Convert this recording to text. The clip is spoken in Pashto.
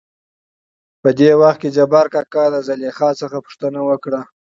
.په دې وخت کې جبارکاکا له زليخا څخه پوښتنه وکړ.